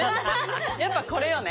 やっぱこれよね。